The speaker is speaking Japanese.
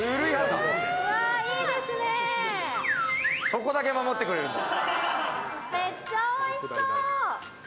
そこだけ守ってくれるんだ。